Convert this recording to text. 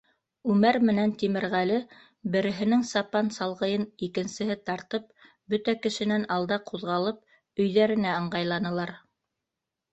Үмәр менән Тимерғәле, береһенең сапан салғыйын икенсеһе тартып, бөтә кешенән алда ҡуҙғалып, өйҙәренә ыңғайланылар.